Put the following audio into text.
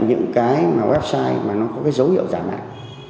những cái mà website mà nó có cái dấu hiệu giả mạo